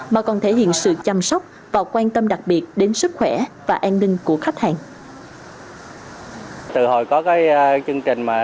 mà còn thể hiện sự chăm sóc và quan tâm đặc biệt đến sức khỏe và an ninh của khách hàng